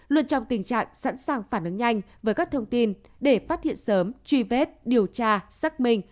luôn trong tình trạng sẵn sàng phản ứng nhanh với các thông tin để phát hiện sớm truy vết điều tra xác minh